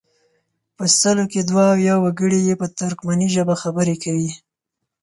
په سلو کې دوه اویا وګړي یې په ترکمني ژبه خبرې کوي.